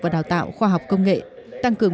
và đào tạo khoa học công nghệ tăng cường